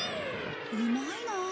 うまいなあ。